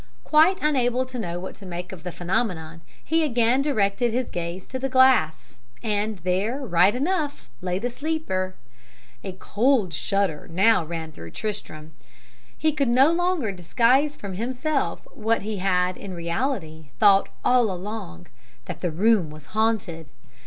"Quite unable to know what to make of the phenomenon, he again directed his gaze to the glass, and there right enough lay the sleeper. "A cold shudder now ran through Tristram he could no longer disguise from himself what he had in reality thought all along, that the room was haunted!